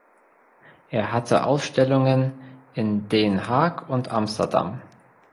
Er hatte Ausstellungen in Den Haag und Amsterdam.